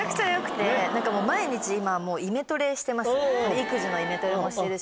育児のイメトレもしてるし。